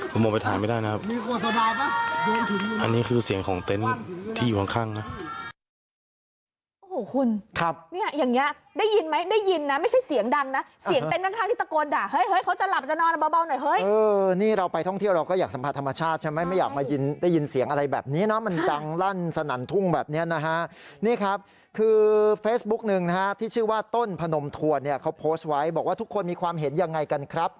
ผมมองไปทานไม่ได้นะครับอันนี้คือเสียงของเต็นต์ที่อยู่ข้างนะ